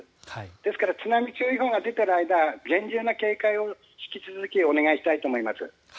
ですから津波注意報が出ている間厳重な警戒を引き続きお願いしたいと思います。